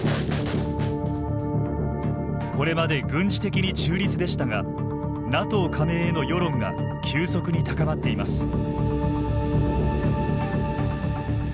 これまで軍事的に中立でしたがＮＡＴＯ加盟への世論が急速に高まっています。